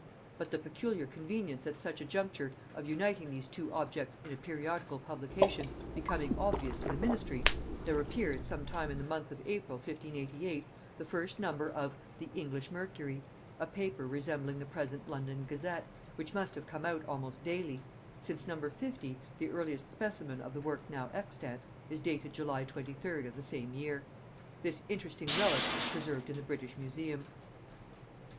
But the peculiar convenience at such a juncture of uniting these two objects in a periodical publication becoming obvious to the ministry, there appeared, some time in the month of April 1588, the first number of The English Mercury; a paper resembling the present London Gazette, which must have come out almost daily; since No. 50, the earliest specimen of the work now extant, is dated July 23d of the same year. This interesting relic is preserved in the British Museum.